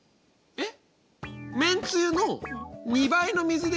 えっ？